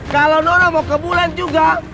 kalau nono mau ke bulan juga